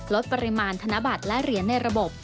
ลดปริมาณธนบัตรและเหรียญในระบบ